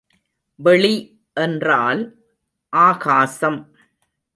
வெளி என்றால் ஆகாசம்.